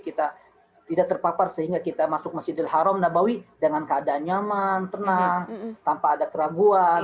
kita tidak terpapar sehingga kita masuk masjidil haram nabawi dengan keadaan nyaman tenang tanpa ada keraguan